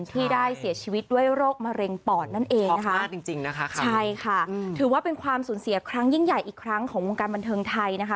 ที่ได้เสียชีวิตด้วยโรคมะเร็งปอดนั่นเองนะคะใช่ค่ะถือว่าเป็นความสูญเสียครั้งยิ่งใหญ่อีกครั้งของวงการบันเทิงไทยนะคะ